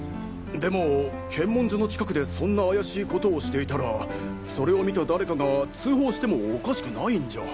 でも検問所の近くでそんな怪しい事をしていたらそれを見た誰かが通報してもおかしくないんじゃ。